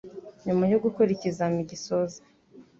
Nyuma yo gukora ikizamini gisoza